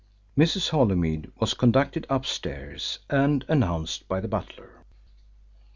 Mrs. Holymead was conducted upstairs and announced by the butler.